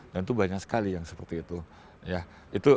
itu banyak sekali yang seperti itu